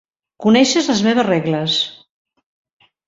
Coneixes les meves regles.